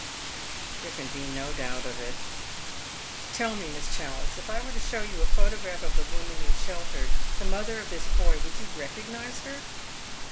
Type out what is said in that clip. " There can be no doubt of it. Tell me, Miss Challice, if I were to show you a photograph of the woman you sheltered, the mother of this boy, would you recognise her